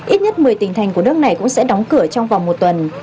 ít nhất một mươi tỉnh thành của nước này cũng sẽ đóng cửa trong vòng một tuần